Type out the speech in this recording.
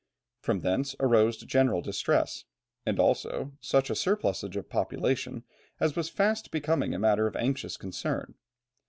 From thence arose general distress, and also such a surplussage of population as was fast becoming a matter of anxious concern.